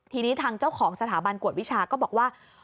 ทีนี้ทางเจ้าของสถาบันกวดวิชาก็บอกว่า